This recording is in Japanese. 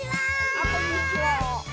あこんにちは。